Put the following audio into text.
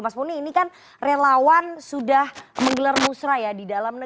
mas muni ini kan relawan sudah menggelar musrah ya di dalam negeri